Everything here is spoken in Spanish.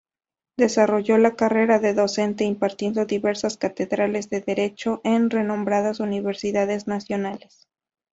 Desarrolló la carrera de docente impartiendo diversas cátedras de Derecho en renombradas universidades nacionales.